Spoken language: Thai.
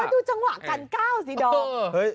ดูจังหวะการก้าวสิดอม